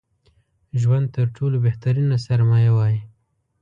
ژوند تر ټولو بهترينه سرمايه وای